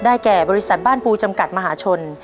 แก่บริษัทบ้านปูจำกัดมหาชน